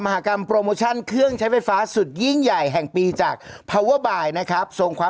มหากรรมโปรโมชั่นเครื่องใช้ไฟฟ้า